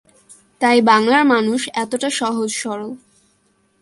তাই বাংলার মানুষ এতটা সহজ সরল।